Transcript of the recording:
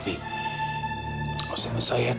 dia dingin dingin di perut